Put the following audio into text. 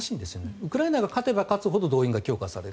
ウクライナが勝てば勝つほど動員が強化される。